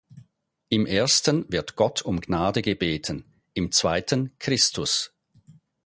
Im ersten wird Gott um Gnade gebeten, im zweiten Christus.